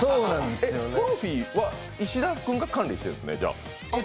トロフィーは石田君が管理しているんですね？